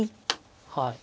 はい。